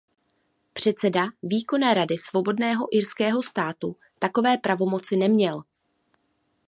Předseda Výkonné rady Svobodného irského státu takové pravomoci neměl.